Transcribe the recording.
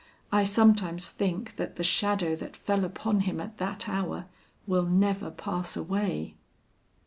I sometimes think that the shadow that fell upon him at that hour will never pass away."